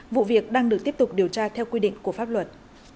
vụ việc đang được tiếp tục điều tra theo quy định của pháp luật